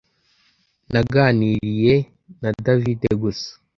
Naganiriye na David gusa